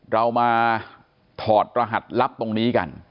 เรามาถอดรหัสลับตรงนี้กัน